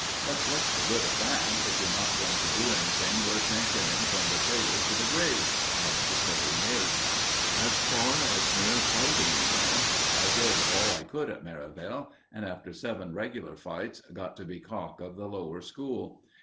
But what's the good of that, if you're not going to do anything worth mentioning from the cradle to the grave, as the saying is? As far as mere fighting went, I did all I could at Merivale, and, after seven regular fights, got to be cock of the Lower School.